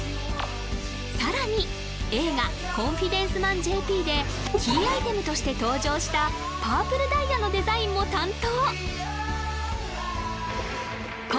さらに映画「コンフィデンスマンＪＰ」でキーアイテムとして登場したパープルダイヤのデザインも担当